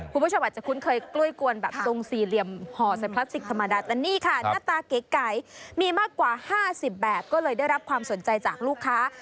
คุณผู้ชมอาจจะคุ้นเคยกล้วยกวนแบบทรงสี่เหลี่ยมห่อใส่พลาสติกธรรมดาแต่นี่ค่ะหน้าตาเก๋มีมากกว่า๕๐แบบก็เลยได้รับความสนใจจากลูกค้า